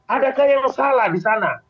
adakah yang salah disana